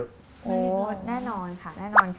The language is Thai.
โอ้โหแน่นอนค่ะแน่นอนค่ะ